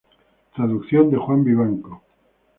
Traducción de Juan Vivanco.